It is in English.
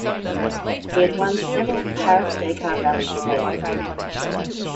He had won several Paris Dakar Rally stages.